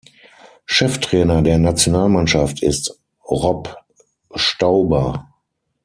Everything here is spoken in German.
Cheftrainer der Nationalmannschaft ist Robb Stauber.